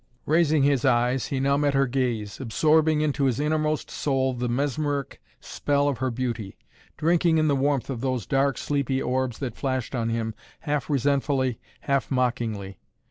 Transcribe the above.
Raising his eyes, he now met her gaze, absorbing into his innermost soul the mesmeric spell of her beauty, drinking in the warmth of those dark, sleepy orbs that flashed on him half resentfully, half mockingly.